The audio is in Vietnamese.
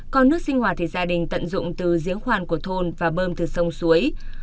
còn nước sinh hoạt thì gia đình tận dụng từ giếng khoan của thôn và bơm từ sông suối